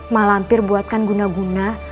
malah hampir buatkan guna guna